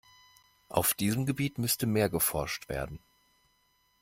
Auf diesem Gebiet müsste mehr geforscht werden.